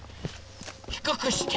ひくくして！